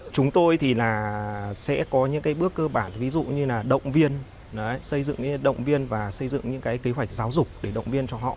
chúng tôi sẽ có những bước cơ bản ví dụ như động viên xây dựng những kế hoạch giáo dục để động viên cho họ